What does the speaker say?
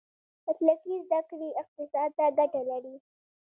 مسلکي زده کړې اقتصاد ته ګټه لري.